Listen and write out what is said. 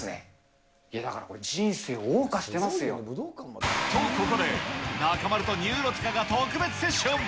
だから人生をおう歌してますと、ここで、中丸とニューロティカが特別セッション。